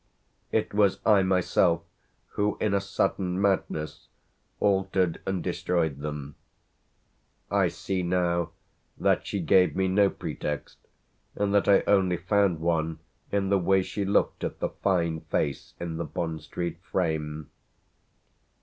It was I myself who in a sudden madness altered and destroyed them. I see now that she gave me no pretext and that I only found one in the way she looked at the fine face in the Bond Street frame.